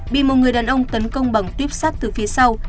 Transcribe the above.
bị một người đàn ông tấn công bằng tuyếp sắt từ phía sau